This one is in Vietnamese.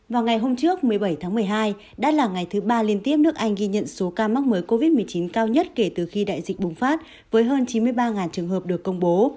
vào ngày hôm trước một mươi bảy tháng một mươi hai đã là ngày thứ ba liên tiếp nước anh ghi nhận số ca mắc mới covid một mươi chín cao nhất kể từ khi đại dịch bùng phát với hơn chín mươi ba trường hợp được công bố